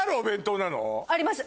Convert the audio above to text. あります